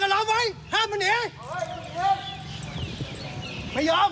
ชาวบ้านช่วยกันช่วยกันล้ม